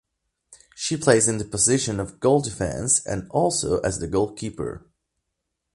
She plays in the position of goal defense and also as the goal keeper.